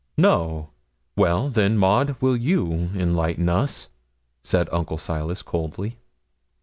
'No! Well, then, Maud, will you enlighten us?' said Uncle Silas, coldly.